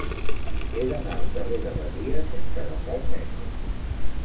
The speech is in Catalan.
He d'anar al carrer de Badia sense agafar el metro.